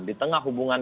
di tengah hubungan